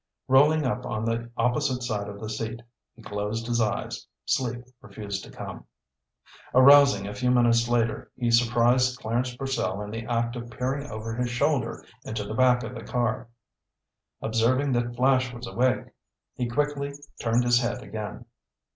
Rolling up on the opposite side of the seat, he closed his eyes. Sleep refused to come. Arousing a few minutes later, he surprised Clarence Purcell in the act of peering over his shoulder into the back of the car. Observing that Flash was awake, he quickly turned his head again.